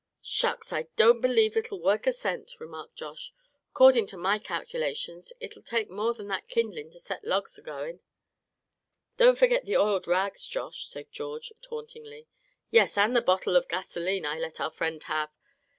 "Shucks! I don't believe it'll work a cent," remarked Josh. "'Cording to my calculations it'd take more'n that kindlin' to set logs a goin'." "Don't forget the oiled rags, Josh," said George, tauntingly; "yes, and the little bottle of gasolene I let our friend have.